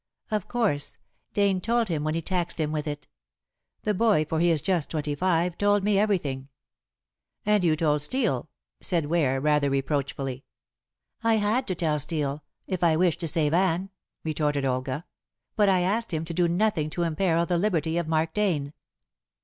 "Of course. Dane told him when he taxed him with it. The boy, for he is just twenty five, told me everything." "And you told Steel," said Ware, rather reproachfully. "I had to tell Steel, if I wished to save Anne," retorted Olga; "but I asked him to do nothing to imperil the liberty of Mark Dane."